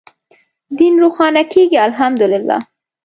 دین روښانه کېږي الحمد لله.